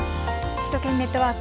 首都圏ネットワーク。